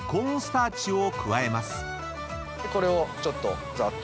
これをちょっとざっと。